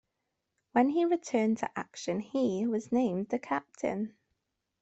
When he returned to action he was named the captain.